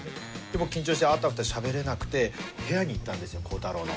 僕緊張してあたふたしゃべれなくて部屋に行ったんですよ孝太郎の。